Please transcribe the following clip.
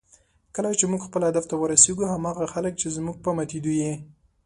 کله چې موږ خپل هدف ته ورسېږو، هماغه خلک چې زموږ په ماتېدو یې